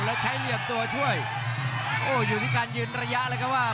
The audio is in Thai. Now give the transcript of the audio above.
แล้วใช้เหลี่ยมตัวช่วยโอ้อยู่ที่การยืนระยะเลยครับว่า